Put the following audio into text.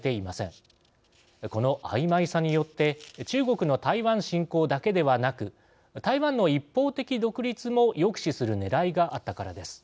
このあいまいさによって中国の台湾侵攻だけではなく台湾の一方的独立も抑止するねらいがあったからです。